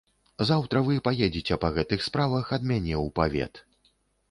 Заўтра вы паедзеце па гэтых справах ад мяне ў павет.